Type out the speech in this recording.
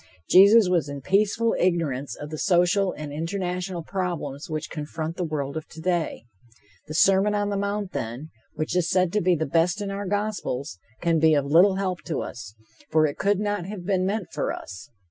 Jesus was in peaceful ignorance of the social and international problems which confront the world of today. The Sermon on the Mount, then, which is said to be the best in our gospels, can be of little help to us, for it could not have been meant for us.